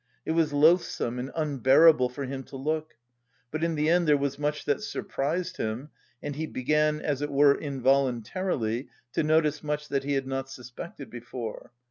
It was loathsome and unbearable for him to look. But in the end there was much that surprised him and he began, as it were involuntarily, to notice much that he had not suspected before.